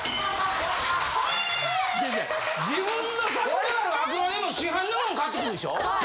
我々はあくまでも市販のもん買ってくるでしょ？